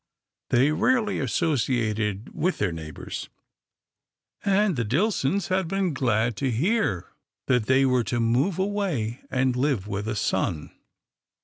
They rarely associated with their neighbours, and the Dill sons had been glad to hear that they were to move away and live with a son.